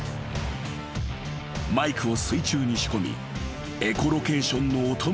［マイクを水中に仕込みエコロケーションの音も逃さない］